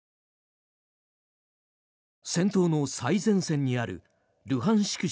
戦闘の最前線にあるルハンシク